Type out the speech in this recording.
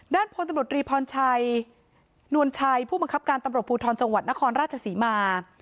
พลตำรวจรีพรชัยนวลชัยผู้บังคับการตำรวจภูทรจังหวัดนครราชศรีมา